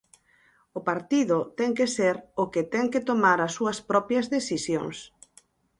O partido ten que ser "o que ten que tomar as súas propias decisións".